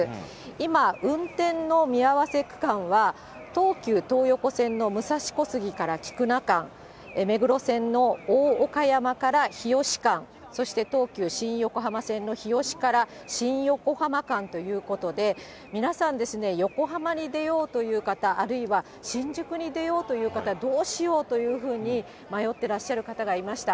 今、運転の見合わせ区間は、東急東横線の武蔵小杉から菊名間、目黒線の大岡山から日吉間、そして東急新横浜線の日吉から新横浜間ということで、皆さん、横浜に出ようという方、あるいは新宿に出ようという方、どうしようというふうに迷ってらっしゃる方がいました。